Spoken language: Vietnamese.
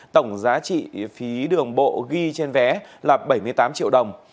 tổng giá trị phí đường bộ ghi trên vé là bảy mươi tám triệu đồng